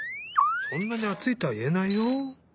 そんなにあついとはいえないよ。